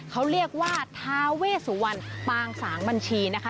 เขาเรียกว่าทาเวสุวรรณปางสางบัญชีนะคะ